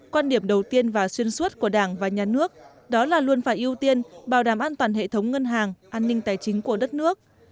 quan điểm đầu tiên và xuyên suốt của đảng và nhà nước đó là luôn phải ưu tiên bảo đảm an toàn hệ thống ngân hàng an ninh tài chính của đất nước